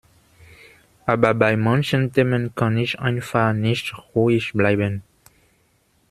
Aber bei manchen Themen kann ich einfach nicht ruhig bleiben.